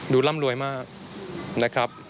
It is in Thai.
ร่ำรวยมากนะครับ